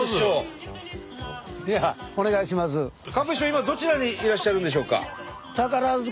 今どちらにいらっしゃるんでしょうか？